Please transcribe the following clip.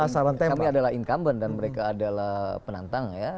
karena kami adalah incumbent dan mereka adalah penantang ya